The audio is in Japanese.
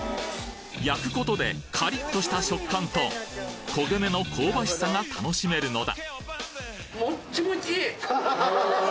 焼くことでカリッとした食感と焦げ目の香ばしさが楽しめるのだ！